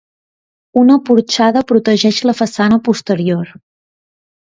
Una porxada protegeix la façana posterior.